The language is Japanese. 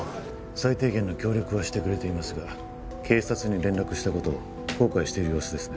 最低限の協力はしてくれていますが警察に連絡したことを後悔している様子ですね